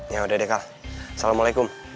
ya udah deh kalah assalamualaikum